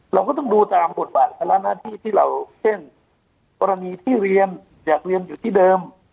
เราก็ต้องดูตามบทบาทภาระหน้าที่ที่เราเช่นกรณีที่เรียนอยากเรียนอยู่ที่เดิม